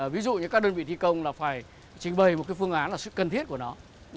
ví dụ như các đơn vị thi công là phải trình bày một phương án là sự cần thiết của nó